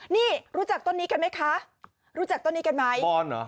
นี่รู้จักต้นนี้กันไหมคะรู้จักต้นนี้กันไหมออนเหรอ